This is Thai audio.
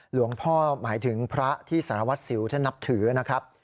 หลวงพ่อหมายถึงพระที่สารวัสดิ์สิวท่านนับถือนะครับ